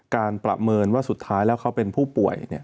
ประเมินว่าสุดท้ายแล้วเขาเป็นผู้ป่วย